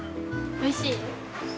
おいしい！